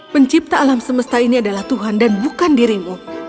pencipta alam semesta ini adalah tuhan dan bukan dirimu